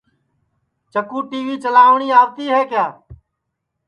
چکُو ٹی وی کھولٹؔی آوتی ہے کیا